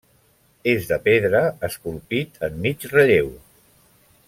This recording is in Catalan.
És de pedra, esculpit en mig relleu.